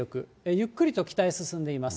ゆっくりと北へ進んでいます。